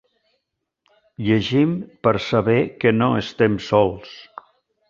Llegim per saber que no estem sols.